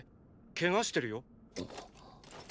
ケガしてるよ。？